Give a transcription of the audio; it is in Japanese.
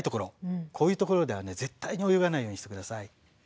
こういうところでは絶対に泳がないようにして下さい。